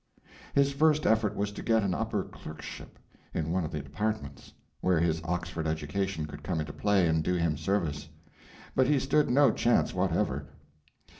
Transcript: His first effort was to get an upper clerkship in one of the departments, where his Oxford education could come into play and do him service. But he stood no chance whatever.